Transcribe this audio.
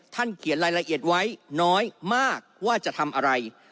เขียนรายละเอียดไว้น้อยมากว่าจะทำอะไร